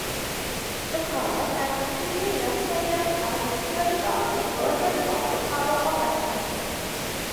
The cover and interior illustrations are digitally garbled versions of the cover of "Amber".